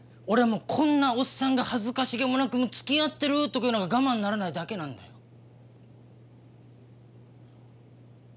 俺はこんなおっさんが恥ずかしげもなく「つきあってる」とか言うのが我慢ならないだけなんだよ。